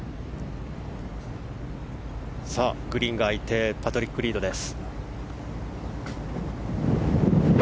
グリーンが空いてパトリック・リードです。